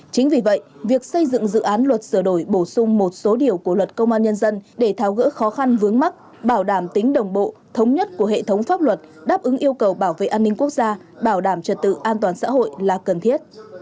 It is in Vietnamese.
chính vì vậy việc xây dựng dự án luật sửa đổi bổ sung một số điều của luật công an nhân dân để tháo gỡ khó khăn vướng mắt bảo đảm tính đồng bộ thống nhất của hệ thống pháp luật đáp ứng yêu cầu bảo vệ an ninh quốc gia bảo đảm trật tự an toàn xã hội là cần thiết